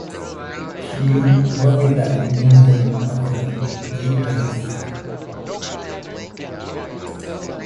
She worked at the Museum of the Earth.